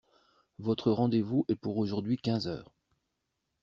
Votre rendez-vous est pour aujourd’hui quinze heures.